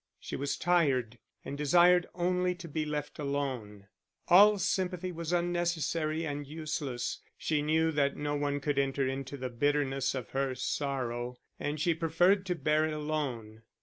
She was tired, and desired only to be left alone. All sympathy was unnecessary and useless, she knew that no one could enter into the bitterness of her sorrow, and she preferred to bear it alone.